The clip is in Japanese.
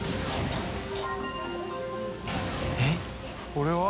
これは？